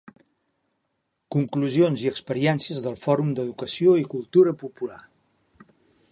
Conclusions i experiències del Fòrum d'educació i cultura popular.